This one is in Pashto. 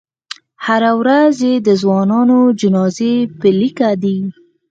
هره ورځ یې د ځوانانو جنازې په لیکه دي.